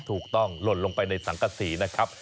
ถูกต้องหล่นลงไปในสังกะสีนะครับ